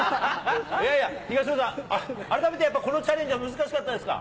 東野さん、改めてやっぱりこのチャレンジは難しかったですか。